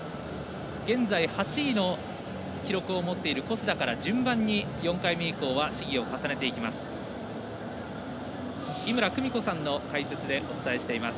現在８位の記録を持っている小須田から順番に４回目以降は試技を重ねていきます。